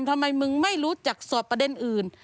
ทำไมมึงไม่รู้จักสอบประเด็นอื่น